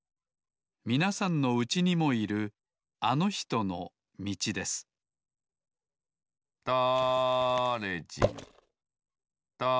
みなさんのうちにもいるあのひとのみちですだれじんだれじん